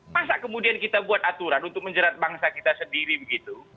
masa kemudian kita buat aturan untuk menjerat bangsa kita sendiri begitu